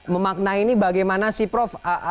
memaknai ini bagaimana sih prof